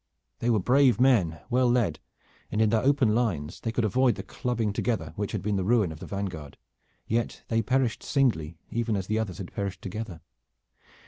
They were brave men, well led, and in their open lines they could avoid the clubbing together which had been the ruin of the vanguard; yet they perished singly even as the others had perished together.